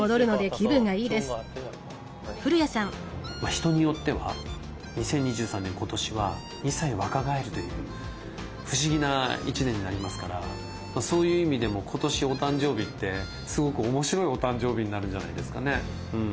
人によっては２０２３年今年は２歳若返るという不思議な１年になりますからそういう意味でも今年お誕生日ってすごく面白いお誕生日になるんじゃないですかね。